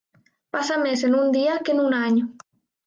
Passa més en un dia que en un any.